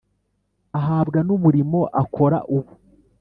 ahabwa n'umurimo akora ubu.